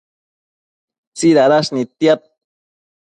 tsidadash nidtiad